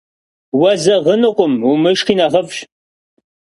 Уэзэгъынукъым, умышхи нэхъыфӏщ.